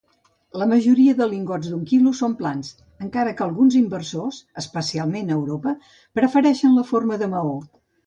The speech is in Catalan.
La majoria de lingots d'un quilo són plans, encara que alguns inversors, especialment a Europa, prefereixen la forma de maó.